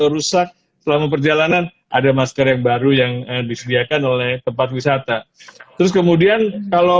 rusak selama perjalanan ada masker yang baru yang disediakan oleh tempat wisata terus kemudian kalau